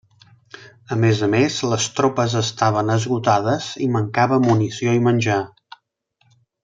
A més a més, les tropes estaven esgotades i mancava munició i menjar.